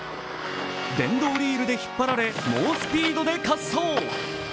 電動リールで引っ張られ猛スピードで滑走。